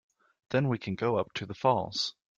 Then we can go up to the falls.